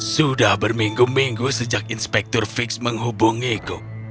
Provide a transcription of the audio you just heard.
sudah berminggu minggu sejak inspektur fix menghubungiku